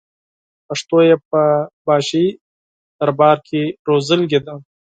پښتو یې په پاچاهي دربار کې روزلې ده.